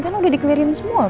kan udah di clear in semua mas